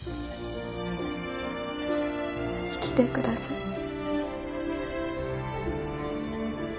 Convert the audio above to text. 生きてください。